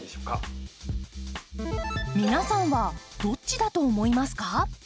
皆さんはどっちだと思いますか？